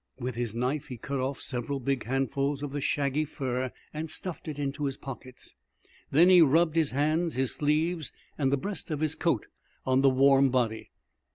With his knife he cut off several big handfuls of the shaggy fur and stuffed it into his pockets. Then he rubbed his hands, his sleeves, and the breast of his coat on the warm body.